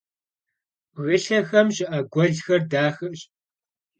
Bgılhexem şı'e guelxer daxeş.